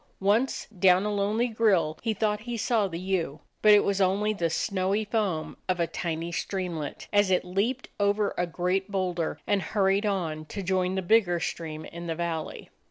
Once, down a lonely grill, he thought he saw the ewe, hut it was only the snowy foam of a tiny streamlet, as it leaped over a great boulder and hurried on to join the bigger stream in the valley.